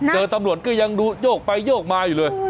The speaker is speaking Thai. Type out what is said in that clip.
ตำรวจก็ยังดูโยกไปโยกมาอยู่เลย